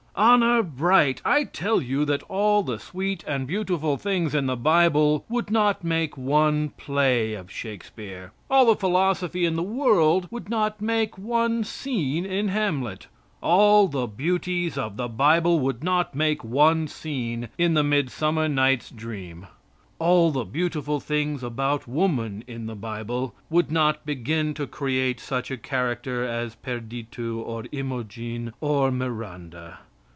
Honor bright, I tell you that all the sweet and beautiful things in the Bible would not make one play of Shakespeare; all the philosophy in the world would not make one scene in Hamlet; all the beauties of the Bible would not make one scene in the Midsummer Night's Dream; all the beautiful things about woman in the Bible would not begin to create such a character as Perditu or Imogene or Miranda.